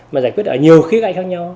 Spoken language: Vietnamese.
mà giải quyết ở nhiều khía cạnh khác nhau